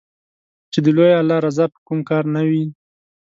چې د لوی الله رضا په کوم کار نــــــــه وي